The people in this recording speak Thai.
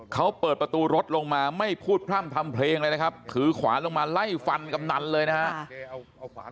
เขาเปิดประตูรถลงมาไม่พูดพร่ำทำเพลงเลยนะครับถือขวานลงมาไล่ฟันกำนันเลยนะครับ